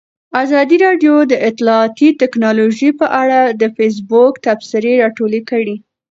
ازادي راډیو د اطلاعاتی تکنالوژي په اړه د فیسبوک تبصرې راټولې کړي.